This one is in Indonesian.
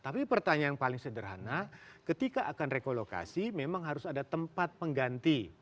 tapi pertanyaan paling sederhana ketika akan relokasi memang harus ada tempat pengganti